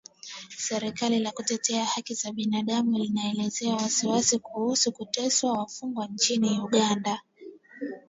Shirika la kutetea haki za binadamu inaelezea wasiwasi kuhusu kuteswa wafungwa nchini Uganda